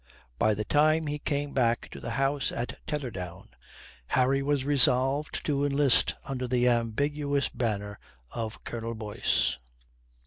By the time he came back to the house on Tether down, Harry was resolved to enlist under the ambiguous banner of Colonel Boyce.